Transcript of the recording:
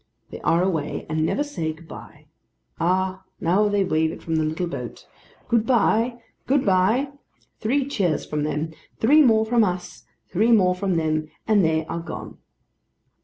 They are away, and never said, Good b'ye. Ah now they wave it from the little boat. 'Good b'ye! Good b'ye!' Three cheers from them; three more from us; three more from them: and they are gone.